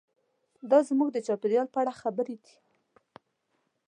دا زموږ د چاپیریال په اړه خبرې دي.